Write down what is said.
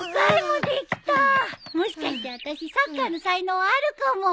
もしかしてあたしサッカーの才能あるかも。